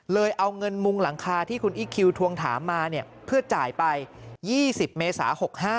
เอาเงินมุงหลังคาที่คุณอีคคิวทวงถามมาเพื่อจ่ายไป๒๐เมษา๖๕